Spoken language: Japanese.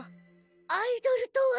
アイドルとは。